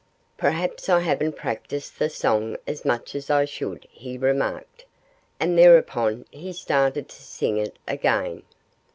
"Perhaps I haven't practiced the song as much as I should," he remarked. And thereupon he started to sing it again.